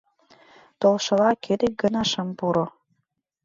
Толшыла, кӧ дек гына шым пуро!..